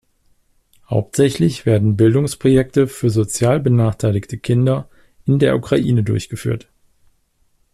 Hauptsächlich werden Bildungsprojekte für sozial benachteiligte Kinder in der Ukraine durchführt.